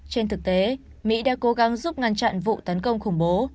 trên thực tế mỹ đã cố gắng giúp ngăn chặn vụ tấn công khủng bố